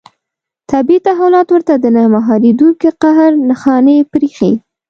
طبیعي تحولات ورته د نه مهارېدونکي قهر نښانې برېښي.